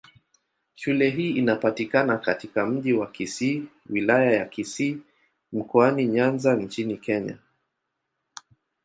Shule hii inapatikana katika Mji wa Kisii, Wilaya ya Kisii, Mkoani Nyanza nchini Kenya.